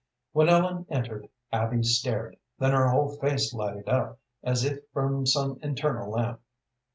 When Ellen entered, Abby stared, then her whole face lighted up, as if from some internal lamp.